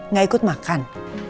nggak ikut makan